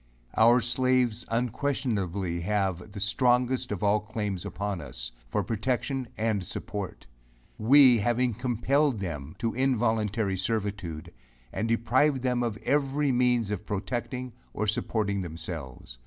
Our slaves unquestionably have the strongest of all claims upon us, for protection and support; we having compelled them to involuntary servitude, and deprived them of every means of protecting or supporting themselves.